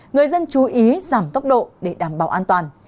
người dân chú ý giảm tốc độ để đảm bảo an toàn